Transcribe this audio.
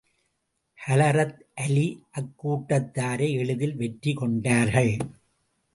Hazrat Ali அக்கூட்டத்தாரை எளிதில் வெற்றி கொண்டார்கள்.